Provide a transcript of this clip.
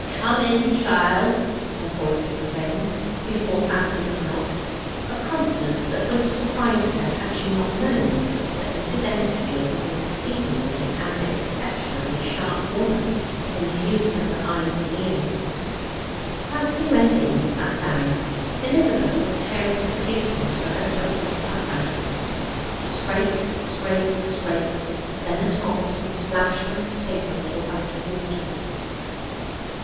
"Come in, chiel!" a voice exclaimed, before Fancy had knocked: a promptness that would have surprised her had she not known that Mrs. Endorfield was an exceedingly and exceptionally sharp woman in the use of her eyes and ears. Fancy went in and sat down. Elizabeth was paring potatoes for her husband's supper. Scrape, scrape, scrape; then a toss, and splash went a potato into a bucket of water.